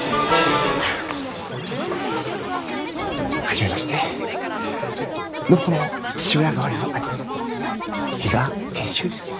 初めまして暢子の父親代わりの兄比嘉賢秀です。